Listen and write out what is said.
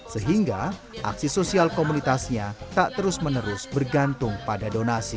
sehingga aksi sosial komunitasnya tak terus menerus bergantung pada donasi